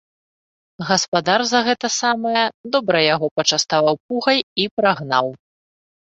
Гаспадар за гэта самае добра яго пачаставаў пугай і прагнаў.